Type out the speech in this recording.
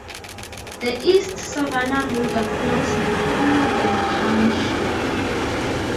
The East Savanna River flows through the township.